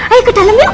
ayo ke dalam yuk